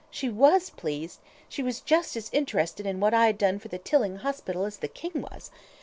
She WAS pleased: she was just as interested in what I had done for the Tilling hospital as the King was.